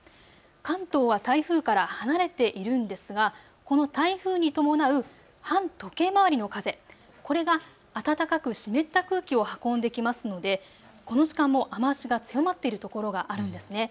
関東は台風から離れているんですがこの台風に伴う反時計回りの風、これが暖かく湿った空気を運んできますのでこの時間も雨足が強まっているところがあるんですね。